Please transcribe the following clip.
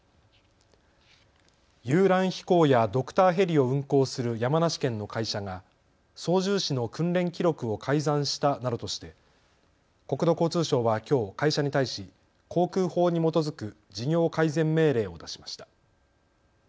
遊覧飛行やドクターヘリを運航する山梨県の会社が操縦士の訓練記録を改ざんしたなどとして国土交通省はきょう会社に対し航空法に基づく事業改善命令を出しました。